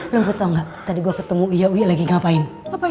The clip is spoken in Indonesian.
lo tau gak tadi gue ketemu ia uya lagi ngapain